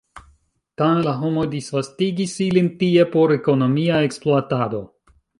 Tamen la homoj disvastigis ilin tie por ekonomia ekspluatado.